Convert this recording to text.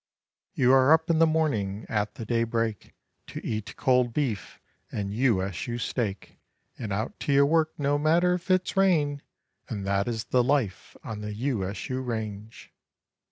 You are up in the morning at the daybreak To eat cold beef and U S U steak, And out to your work no matter if it's rain, And that is the life on the U S U range.